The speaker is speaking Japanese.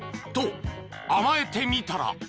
［と甘えてみたら］